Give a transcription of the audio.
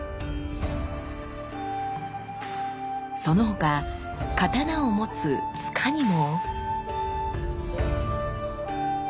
その他刀を持つ柄にも。